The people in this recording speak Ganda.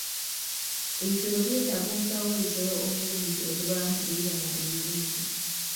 Ebisolo byetaaga omusawo w'ebisolo omulungi okuvaamu ebibala ebirungi.